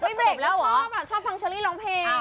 ไม่เบรกแล้วหรอชอบหรอชอบฟังเชอร์รี่ร้องเพลง